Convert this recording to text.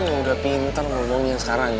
udah pintar ngomongin sekarang ya